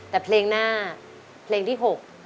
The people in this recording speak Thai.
แต่เพลงหน้าเพลงที่๖